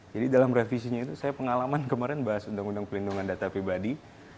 jadi dalam revisinya itu saya pengalaman kemarin bahas undang undang pelindungan data pribadi